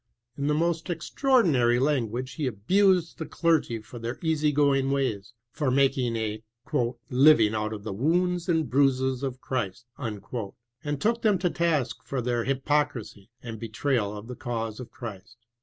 In the most extraordinary language he abused the clergy for their easy going ways, for making a "living out of the wounds and bruises of Christ,^' and took them to tai^ for their hypocrisy and betrayal of the cause of Christ.